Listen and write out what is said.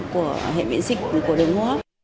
của hệ biện dịch của đường hô hấp